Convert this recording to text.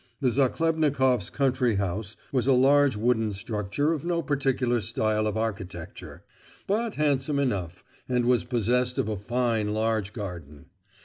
The Zachlebnikoffs' country house was a large wooden structure of no particular style of architecture, but handsome enough, and was possessed of a fine large garden.